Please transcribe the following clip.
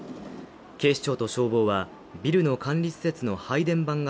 警視庁と消防はビルの管理施設の配電盤が